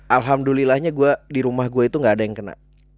alhamdulillahnya gue di rumah gue itu gak ada yang kena